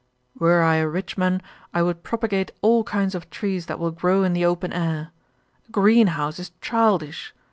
'Were I a rich man, I would propagate all kinds of trees that will grow in the open air. A greenhouse is childish.